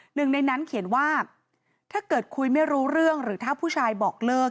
หนึ่งในนั้นเขียนว่าถ้าเกิดคุยไม่รู้เรื่องหรือถ้าผู้ชายบอกเลิก